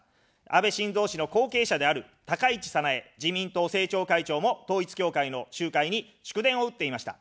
安倍晋三氏の後継者である高市早苗自民党政調会長も統一教会の集会に祝電を打っていました。